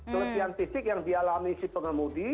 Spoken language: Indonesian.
kelebihan fisik yang dialami si pengemudi